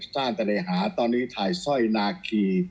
พระต้านแต่ได้หาตอนนี้ถ่ายสร้อยนาไค